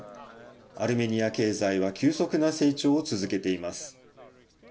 アルメニア経済は急速な成長を続けています。